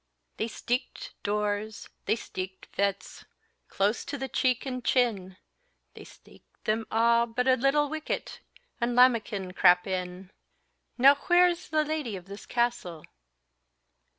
"They steeked doors,' they steeked yetts, Close to the cheek and chin; They steeked them a' but a little wicket, And Lammikin crap in. "Now quhere's the lady of this castle?"